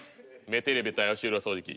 目テレビ対足裏掃除機。